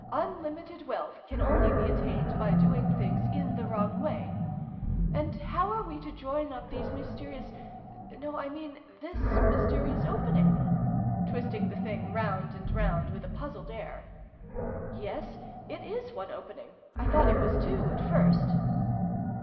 Unlimited wealth can only be attained by doing things in the wrong way ! And how are we to join up these mysterious no, I mean this mys terious opening ?" (twisting the thing round and round with a puzzled air.) "Yes, it is one opening. I thought it was two, at first."